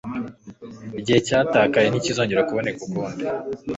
igihe cyatakaye ntikizongera kuboneka ukundi